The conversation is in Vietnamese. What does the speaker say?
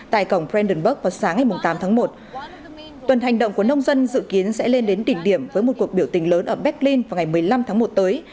từ ngày tám tháng một tuần hành động của nông dân dự kiến sẽ lên đến tỉnh điểm với một cuộc biểu tình lớn ở berlin vào ngày một mươi năm tháng một tới